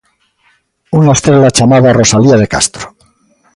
Unha estrela chamada Rosalía de Castro.